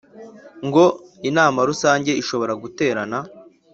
ngo Inama Rusange ishobore guterana